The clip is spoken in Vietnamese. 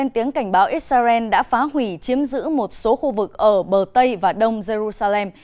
tiếng cảnh báo israel đã phá hủy chiếm giữ một số khu vực ở bờ tây và đông jerusalem